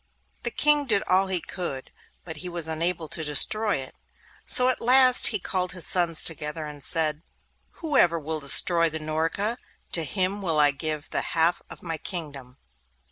The King did all he could, but he was unable to destroy it. So at last he called his sons together and said, 'Whoever will destroy the Norka, to him will I give the half of my kingdom.